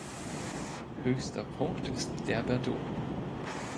Höchster Punkt ist der Brdo.